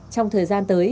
trong thời gian tới